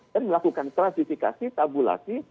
dan melakukan klasifikasi tabulasi